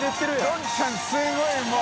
どんちゃんすごいもう。